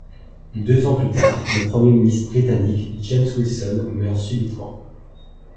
Deux ans plus tard, le Premier ministre britannique James Wilson meurt subitement.